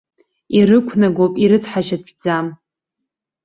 Ирықәнагоуп, ирыцҳашьатәӡам!